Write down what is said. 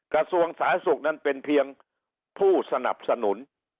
กระทรวงสาธารณสุขนั้นเป็นเพียงผู้สนับสนุน